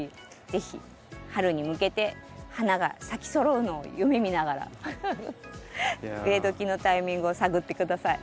是非春に向けて花が咲きそろうのを夢みながら植えどきのタイミングを探って下さい。